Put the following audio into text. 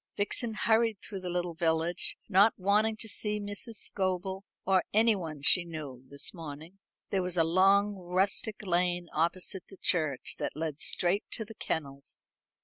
Vixen hurried through the little village, not wanting to see Mrs. Scobel, or anyone she knew, this morning. There was a long rustic lane opposite the church, that led straight to the kennels.